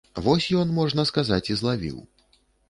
Вось ён, можна сказаць, і злавіў.